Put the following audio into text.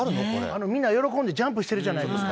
みんな喜んでジャンプしてるじゃないですか。